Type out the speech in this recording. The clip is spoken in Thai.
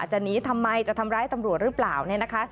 จะหนีทำไมจะทำร้ายตำรวจหรือเปล่าเนี่ยนะคะ